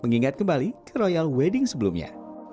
mengingat kembali ke royal wedding sebelumnya